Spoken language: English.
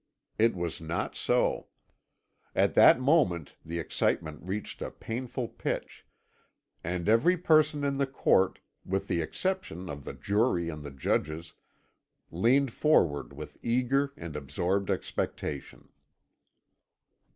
It was not so. At that moment the excitement reached a painful pitch, and every person in the court, with the exception of the jury and the judges, leant forward with eager and absorbed expectation.